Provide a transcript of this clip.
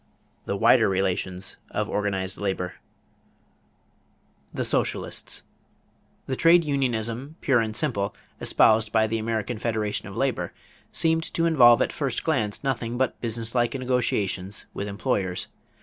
THE WIDER RELATIONS OF ORGANIZED LABOR =The Socialists.= The trade unionism "pure and simple," espoused by the American Federation of Labor, seemed to involve at first glance nothing but businesslike negotiations with employers.